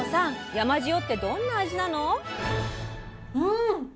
山塩ってどんな味なの？